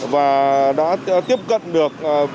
và đã tiếp cận được